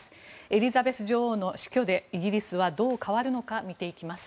エリザベス女王の死去でイギリスはどう変わるのか見ていきます。